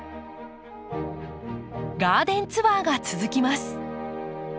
ガーデンツアーが続きます。